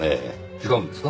違うんですか？